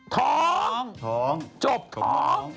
ท้องท้องจบท้อง